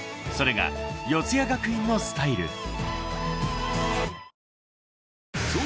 ［それが四谷学院のスタイル］